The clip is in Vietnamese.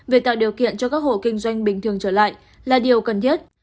việc tạo điều kiện cho các hộ kinh doanh bình thường trở lại là điều cần thiết